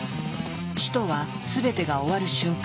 死とはすべてが終わる瞬間。